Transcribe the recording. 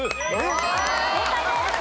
正解です。